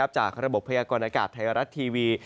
จากระบบพยากรณากาศไทยรัฐทีวี